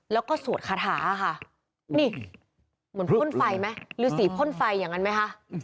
แล้วก็สวดคาถาค่ะนี่เหมือนพ่นไฟไหมฤษีพ่นไฟอย่างนั้นไหมคะ